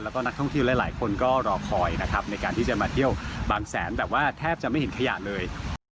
แล้วก็นักท่องเที่ยวหลายคนก็รอคอยนะครับในการที่จะมาเที่ยวบางแสนแบบว่าแทบจะไม่เห็นขยะเลย